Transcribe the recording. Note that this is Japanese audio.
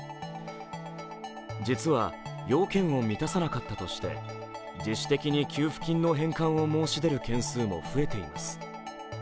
実は、要件を満たさなかったとして自主的に給付金の返還を申し出る件数も増えています。